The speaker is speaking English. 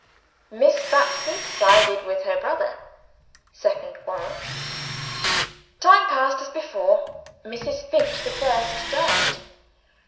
Miss Batchford sided with her brother. Second quarrel. Time passed, as before. Mrs. Finch the first died.